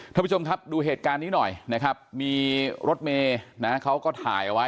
ท่านผู้ชมครับดูเหตุการณ์นี้หน่อยนะครับมีรถเมย์นะเขาก็ถ่ายเอาไว้